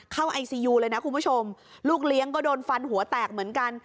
ไอซียูเลยนะคุณผู้ชมลูกเลี้ยงก็โดนฟันหัวแตกเหมือนกัน